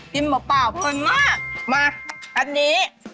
เปล่าเพลินมากมาอันนี้